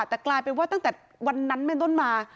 แต่กลายเป็นว่าตั้งแต่วันนั้นมา